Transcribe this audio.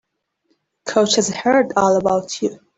Coach has heard all about you.